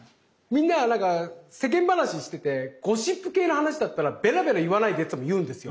みんなが世間話しててゴシップ系の話だったらべらべら言わないでって言っても言うんですよ。